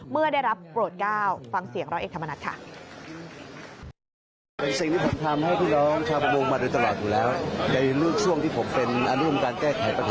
เมื่อได้รับโปรดก้าวฟังเสียงร้อยเอกธรรมนัฐค่ะ